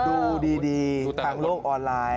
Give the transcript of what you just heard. ดูดีทางโลกออนไลน์